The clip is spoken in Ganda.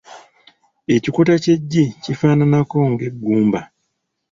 Ekikuta ky’eggi kifaananako ng’eggumba.